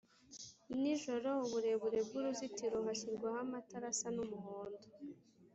nijoro uburebure bw’uruzitiro hashyirwaho amatara asa n’umuhondo